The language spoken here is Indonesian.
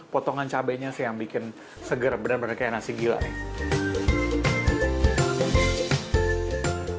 potongan cabainya sih yang bikin seger bener bener kayak nasi gila nih